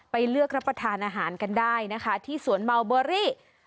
เลือกรับประทานอาหารกันได้นะคะที่สวนเมาเบอรี่